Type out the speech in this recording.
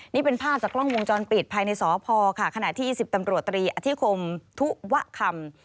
นี่เป็นภาพจากกล้องวงจรปิดภายในสพค่ะขณะที่๑๐ตำรวจตรีอธิคมทุวะคำ